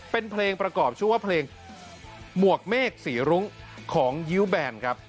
เป็นเพลงประกอบชื่อว่าเพลงหมวกเมฆสีรุ้งของยิ้วแบนครับ